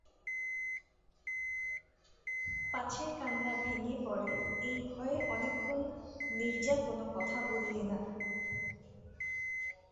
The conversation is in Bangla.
পাছে কান্না ভেঙে পড়ে এই ভয়ে অনেকক্ষণ নীরজা কোনো কথা বললে না।